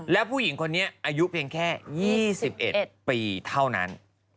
แล้วผู้หญิงคนนี้อายุเพียงแค่๒๑ปีเท่านั้น